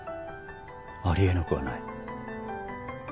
あり得なくはない。